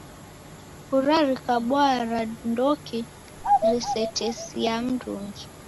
Kura rikabwaa randoki risetesiaa mndungi?